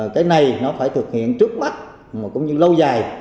cái này nó phải thực hiện trước mắt cũng như lâu dài